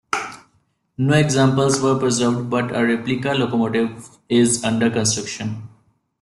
No examples were preserved but a replica locomotive is under construction.